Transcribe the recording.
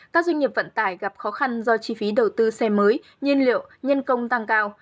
các doanh nghiệp vận tải gặp khó khăn do chi phí đầu tư xe mới nhiên liệu nhân công tăng cao